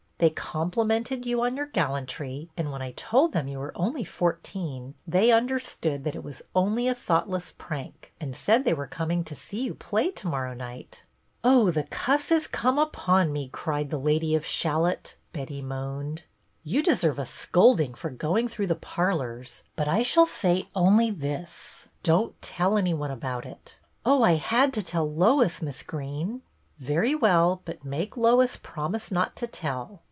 " They complimented you on your gallantry, and when I told them you were only four teen, they understood that it was only a thoughtless prank, and said they were coming to see you play to morrow night." " Oh, " 'The "cuss is come upon me, cried The Lady of Shalott/ " Betty moaned. " You deserve a scolding for going through the parlors, but I shall say only this : don't tell any one about it." " Oh, I had to tell Lois, Miss Greene." " Very well ; but make Lois promise not to tell."